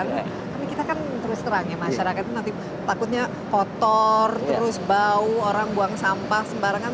tapi kita kan terus terang ya masyarakat itu nanti takutnya kotor terus bau orang buang sampah sembarangan